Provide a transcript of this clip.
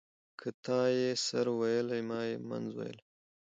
ـ که تا يې سر ويلى ما يې منځ ويلى.